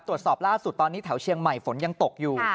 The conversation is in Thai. ตรวจสอบล่าสุดตอนนี้แถวเชียงใหม่ฝนยังตกอยู่